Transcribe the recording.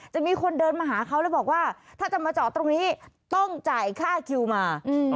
จะมีคนเดินมาหาเขาแล้วบอกว่าถ้าจะมาจอดตรงนี้ต้องจ่ายค่าคิวมา